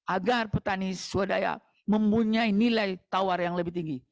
agar petani swadaya mempunyai nilai tawar yang lebih tinggi